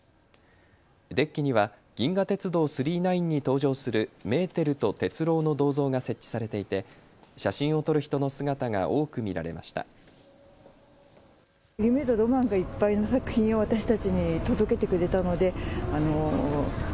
デッキには銀河鉄道９９９に登場するメーテルと鉄郎の銅像が設置されていて写真を撮る人の姿が多く見られました。